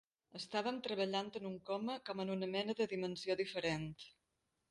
Estàvem treballant en un coma, com en una mena de dimensió diferent.